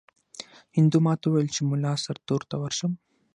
هندو ماته وویل چې مُلا سرتور ته ورشم.